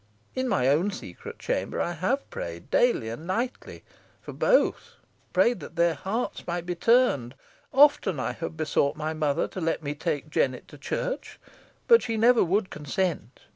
In my own secret chamber I have prayed, daily and nightly, for both prayed that their hearts might be turned. Often have I besought my mother to let me take Jennet to church, but she never would consent.